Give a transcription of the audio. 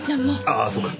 ああそうか。